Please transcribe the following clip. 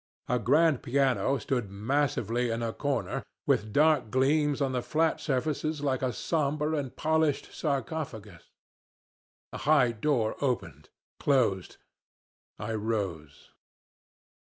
A grand piano stood massively in a corner, with dark gleams on the flat surfaces like a somber and polished sarcophagus. A high door opened closed. I rose.